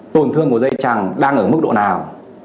tổn thương của dây chẳng đang ở mức độ nào